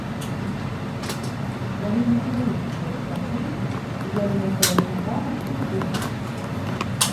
Яны не прымецілі, як упацёмку ўзялі няпэўны напрамак і заблудзіліся.